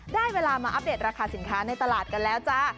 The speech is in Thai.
ได้เวลามาอัปเดตราคาสินค้าในตลาดกันแล้วจ้า